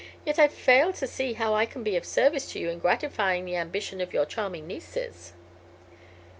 Yet I fail to see how I can be of service to you in gratifying the ambition of your charming nieces."